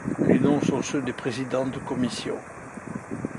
Les noms sont ceux des présidents de commissions.